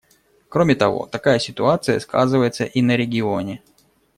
Кроме того, такая ситуация сказывается и на регионе.